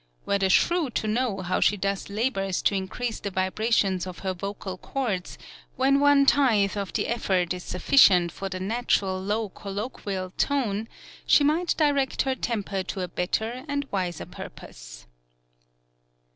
Were the shrew to know how she thus labors to increase the vibrations of her vocal cords, when one tithe of the effort is sufficient for the natural low colloquial tone, she might direct her temper to a better and wiser purpose.